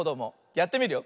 やってみるよ。